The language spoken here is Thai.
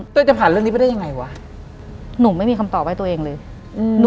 หลังจากนั้นเราไม่ได้คุยกันนะคะเดินเข้าบ้านอืม